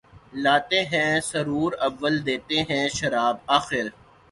لاتے ہیں سرور اول دیتے ہیں شراب آخر